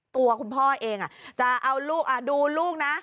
ตัวคุณพ่อเองจะเอาลูกดูลูกนะ